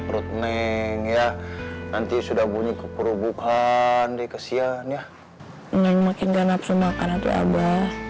perut neng ya nanti sudah bunyi keperugukan di kesian ya neng makin ganap semakan atau apa